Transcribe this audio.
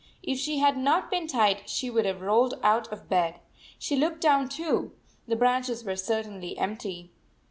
If she had not been tied she would have rolled out of bed. She looked down, too. The branches were certainly empty.